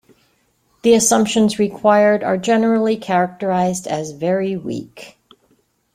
The assumptions required are generally characterised as "very weak".